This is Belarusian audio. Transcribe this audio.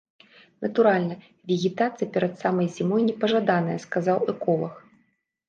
Натуральна, вегетацыя перад самай зімой непажаданая, сказаў эколаг.